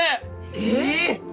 えっ！